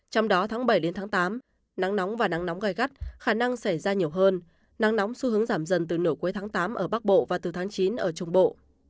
trong đó tháng bảy đến tháng tám nắng nóng và nắng nóng gai gắt khả năng xảy ra nhiều hơn nắng nóng xu hướng giảm dần từ nửa cuối tháng tám ở bắc bộ và từ tháng chín ở trung bộ